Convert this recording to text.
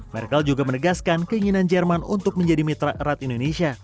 merkel juga menegaskan keinginan jerman untuk menjadi mitra erat indonesia